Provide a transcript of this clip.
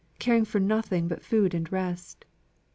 caring for nothing but food and rest.